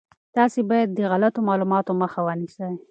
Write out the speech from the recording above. تاسي باید د غلطو معلوماتو مخه ونیسئ.